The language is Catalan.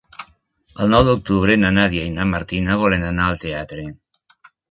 El nou d'octubre na Nàdia i na Martina volen anar al teatre.